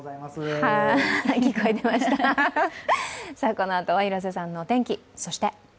このあとは広瀬さんのお天気。